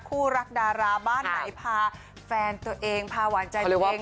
คู่รักดาราบ้านไหนพาแฟนตัวเองพาหวานใจตัวเอง